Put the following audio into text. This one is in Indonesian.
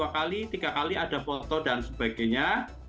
dua kali tiga kali ada foto dan sebagainya